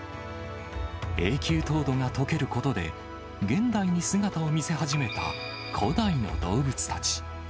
永久凍土がとけることで、現代に姿を見せ始めた古代の動物たち。